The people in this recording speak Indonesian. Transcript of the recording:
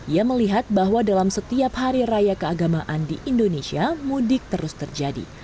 ia melihat bahwa dalam setiap hari raya keagamaan di indonesia mudik terus terjadi